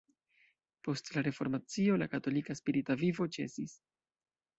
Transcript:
Post la Reformacio la katolika spirita vivo ĉesis.